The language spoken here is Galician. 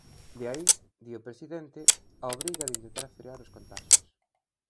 De aí, di o presidente, a obriga de intentar frear os contaxios.